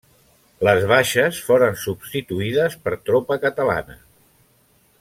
Les baixes foren substituïdes per tropa catalana.